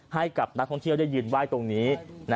ให้กับนักท่องเที่ยวได้ยืนไหว้ตรงนี้